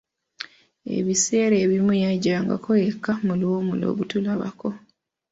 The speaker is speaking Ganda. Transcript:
Ebiseera ebimu yajjangako eka mu luwummula okutulabako.